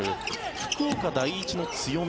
福岡第一の強み